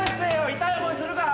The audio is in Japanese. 痛い思いするか？